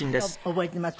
覚えています